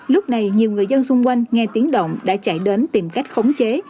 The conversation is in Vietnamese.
lúc này nhiều người dân xung quanh nghe tiếng động đã chạy đến tìm cách khống chế